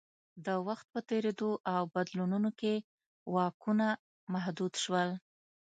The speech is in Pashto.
د وخت په تېرېدو او بدلونونو کې واکونه محدود شول